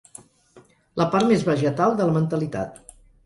La part més vegetal de la mentalitat.